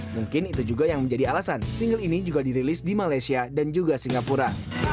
mungkin itu juga yang menjadi alasan single ini juga dirilis di malaysia dan juga singapura